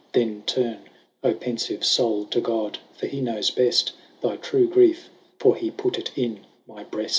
Then turne O penfive foule, to God, for he knowes beft Thy true griefe, for he put it in my breaft.